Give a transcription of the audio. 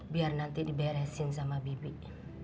biar nanti diberesin sama bibinya